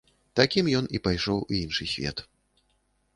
Такім ён і пайшоў у іншы свет.